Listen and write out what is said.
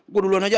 gue duluan aja